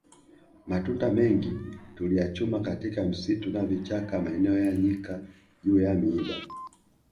Matunda mengi tuliyachuma katika msitu na vichaka maeneo ya nyika juu ya miiba